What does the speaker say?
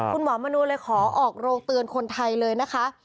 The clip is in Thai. คุณหมอมนูเลยขอออกโรงเตือนคนไทยเลยนะคะ